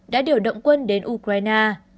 đã điều động quân đến ukraine